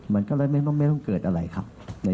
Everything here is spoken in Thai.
มันก็เลยไม่ต้องเกิดอะไรครับ